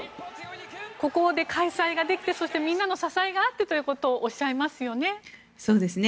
ここで開催ができてそしてみんなの支えがあってということをおっしゃいますよね。